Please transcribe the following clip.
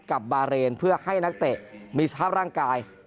บาเรนเพื่อให้นักเตะมีสภาพร่างกาย